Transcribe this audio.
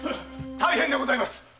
大変でございます！